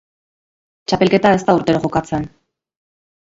Txapelketa ez da urtero jokatzen.